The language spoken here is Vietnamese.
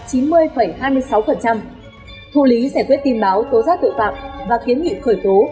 thu lý giải quyết tin báo tố giác tội phạm và kiến nghị khởi tố